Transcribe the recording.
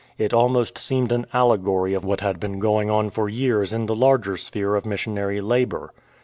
It almost seemed an allegory of what had been going on for years in the larger sphere of missionary labour.